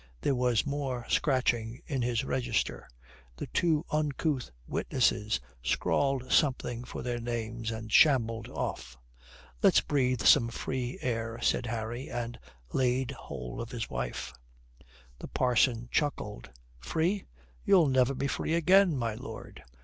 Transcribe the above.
There was more scratching in his register. The two uncouth witnesses scrawled something for their names and shambled off. "Let's breathe some free air," said Harry, and laid hold of his wife. The parson chuckled. "Free? You'll never be free again, my lord.